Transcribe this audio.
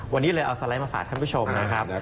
วันนี้เลยเอาสไลด์มาฝากท่านผู้ชมนะครับ